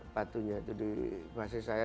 batunya itu di bahasa saya